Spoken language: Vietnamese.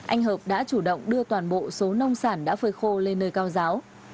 anh hợp đã chủ động đưa toàn bộ số nông sản đã phơi khô lên nơi cao giáo